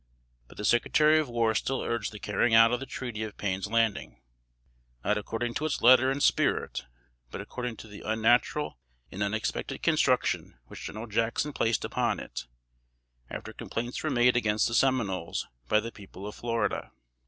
But the Secretary of War still urged the carrying out of the treaty of Payne's Landing, not according to its letter and spirit, but according to the unnatural and unexpected construction which General Jackson placed upon it, after complaints were made against the Seminoles by the people of Florida.